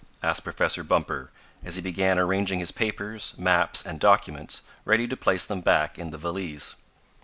asked Professor Bumper, as he began arranging his papers, maps and documents ready to place them back in the valise.